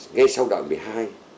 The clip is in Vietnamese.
ngay sau đài một mươi hai